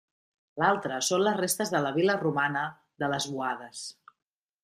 L'altra són les restes de la vil·la romana de Les Boades.